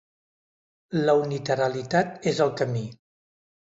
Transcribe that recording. La unilateralitat és el camí.